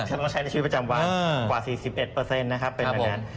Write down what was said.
เธอต้องใช้ในชีวิตประจำว่างกว่า๔๑นะครับ